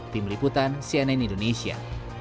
pemeliputan cnn indonesia